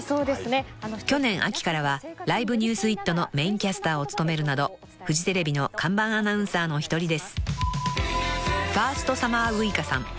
［去年秋からは『ライブニュースイット！』のメインキャスターを務めるなどフジテレビの看板アナウンサーの一人です］